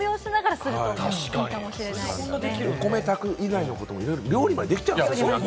お米炊く以外のことも、料理もできちゃうんだ！